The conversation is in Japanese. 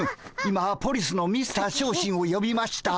今ポリスのミスター小心をよびました。